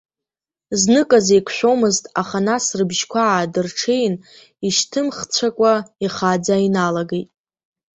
Зныказ еиқәшәомызт, аха нас рыбжьқәа аадырҽеин, ишьҭымхцәакәа ихааӡа иналагеит.